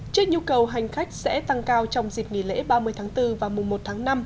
trên nhu cầu hành khách sẽ tăng cao trong dịp nghỉ lễ ba mươi tháng bốn và mùa một tháng năm